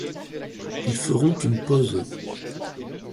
Ils feront une pause.